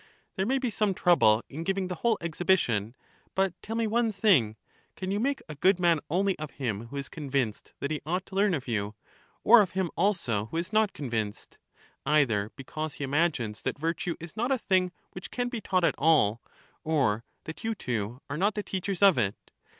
There may be some trouble in giving the whole ex hibition ; but tell me one thing, — can you make a good man only of him who is convinced that he ought to learn of you, or of him also who is not convinced? either because he imagines that virtue is not a thing which can be taught at all, or that you two are not the teachers of it.